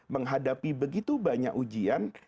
menghadapi begitu banyak ujian